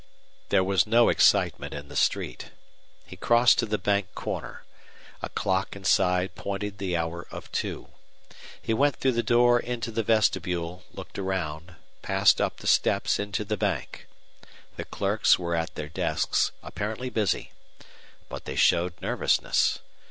There was no excitement in the street. He crossed to the bank corner. A clock inside pointed the hour of two. He went through the door into the vestibule, looked around, passed up the steps into the bank. The clerks were at their desks, apparently busy. But they showed nervousness.